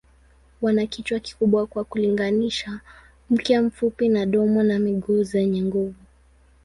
Wana kichwa kikubwa kwa kulinganisha, mkia mfupi na domo na miguu zenye nguvu.